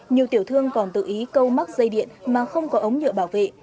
nhiều tiểu thương còn tự ý câu mắc dây điện mà không có ống nhựa bảo vệ